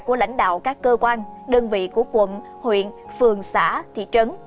của lãnh đạo các cơ quan đơn vị của quận huyện phường xã thị trấn